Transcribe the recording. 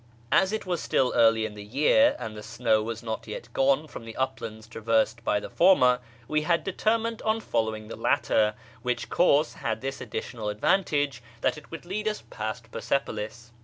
As it was still early in the year, and the snow was not yet gone from the uplands traversed by the former, we had determined on following the latter, which course had this additional advantage, that it would lead us past Persepolis.